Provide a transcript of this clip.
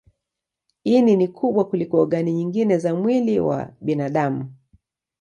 Ini ni kubwa kuliko ogani nyingine za mwili wa binadamu.